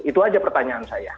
itu saja pertanyaan saya